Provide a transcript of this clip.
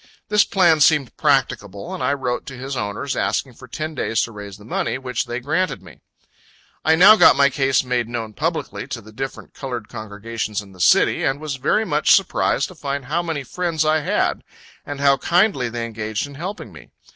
This plan seemed practicable, and I wrote to his owners, asking for ten days to raise the money; which they granted me. I now got my case made known publicly to the different colored congregations in the city and was very much surprised to find how many friends I had, and how kindly they engaged in helping me.